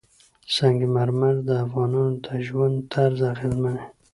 سنگ مرمر د افغانانو د ژوند طرز اغېزمنوي.